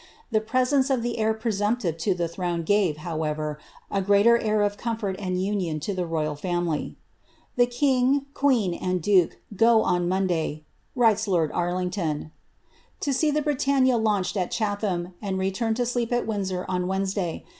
The presence of the heir presumptive to the throne ga%'c, however, a greater air of comfort lod union to tlie royal family. The king, queen, and duke, go on Mon day ,^^ writes lord Arlini^ton, ^* to see the Briuuinia launched at Chathanii and return to sleep at Windsor on Wednesday.